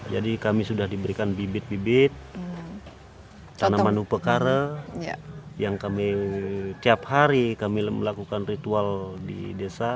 jadi kami sudah diberikan bibit bibit tanaman upekara yang kami tiap hari kami melakukan ritual di desa